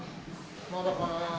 まだかなぁ。